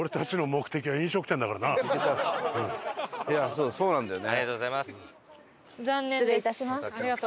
いやそうなんだよね。